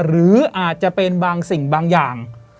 หรืออาจจะเป็นบางสิ่งบางอย่าง